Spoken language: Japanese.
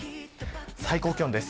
最高気温です。